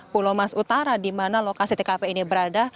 pulau mas utara di mana lokasi tkp ini berada